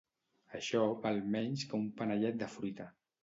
Això val menys que un panellet de fruita.